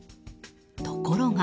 ところが。